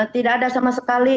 tidak ada sama sekali